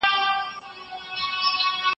نه مي بابی له یاده ووت نه پتیال ووتی